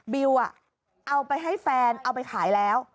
บิวเอาไปให้แฟนเอาไปขายแล้ว